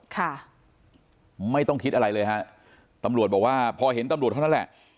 ค่ะไม่ต้องคิดอะไรเลยฮะตำรวจบอกว่าพอเห็นตำรวจเท่านั้นแหละ